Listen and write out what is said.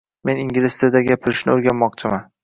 Men ingliz tilida gapirishni o'rganmoqchiman.